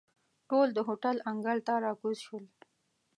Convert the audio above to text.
ټول د هوټل انګړ ته را کوز شول.